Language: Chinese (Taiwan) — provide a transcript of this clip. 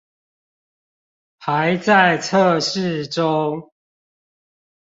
還在測試中